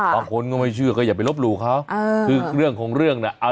บางคนก็ไม่เชื่อก็อย่าไปลบหลู่เขาคือเรื่องของเรื่องน่ะ